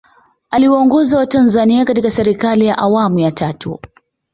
Aliwaongoza watanzania katika Serikali ya Awamu ya tatu